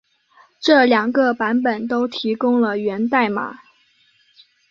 这两个版本都提供了源代码。